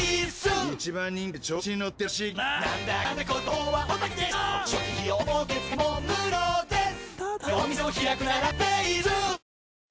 そうです。